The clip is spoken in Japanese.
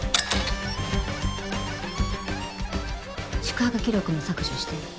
宿泊記録も削除して。